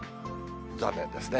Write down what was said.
残念ですね。